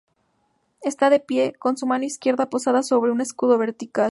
Está de pie, con su mano izquierda posada sobre un escudo vertical.